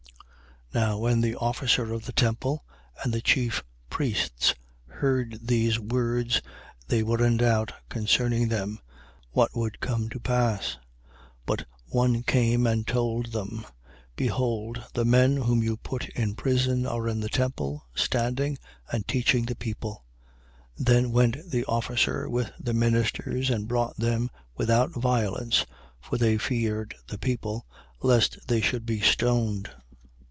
5:24. Now when the officer of the temple and the chief priests heard these words, they were in doubt concerning them, what would come to pass. 5:25. But one came and told them: Behold, the men whom you put in prison are in the temple, standing and teaching the people. 5:26. Then went the officer with the ministers and brought them without violence: for they feared the people, lest they should be stoned.